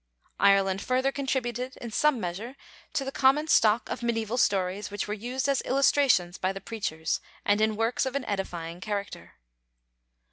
Ireland further contributed in some measure to the common stock of medieval stories which were used as illustrations by the preachers and in works of an edifying character.